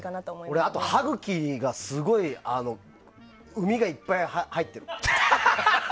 俺、あと歯茎にすごくウミがいっぱい入ってる。